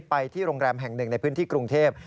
ไปที่โรงแรมแห่งหนึ่งในพื้นที่กรุงเทพ